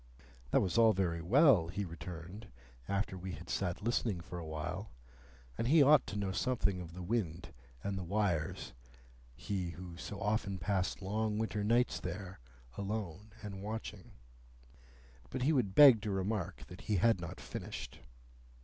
That was all very well, he returned, after we had sat listening for a while, and he ought to know something of the wind and the wires,—he who so often passed long winter nights there, alone and watching. But he would beg to remark that he had not finished.